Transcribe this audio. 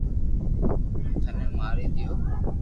ھون ٿني ماري دآيو